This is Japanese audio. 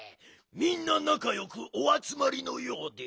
みんななかよくおあつまりのようで。